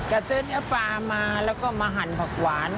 ก็ซื้อเนื้อปลามาแล้วก็มาหั่นผักหวาน